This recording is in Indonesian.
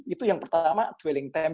itu yang pertama dwelling time